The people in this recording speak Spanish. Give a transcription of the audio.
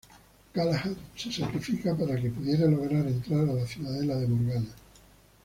Galahad se sacrifica para que pudieran lograr entrar a la ciudadela de Morgana.